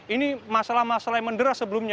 ini masalah masalah yang mendera sebelumnya